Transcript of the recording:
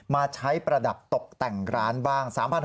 มาใช้ประดับตกแต่งร้านบ้าง